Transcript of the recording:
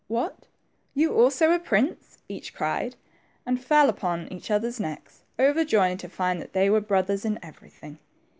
What ! you also a prince ?" each cried, and fell upon each other's necks, overjoyed to find that they were brothers in everything.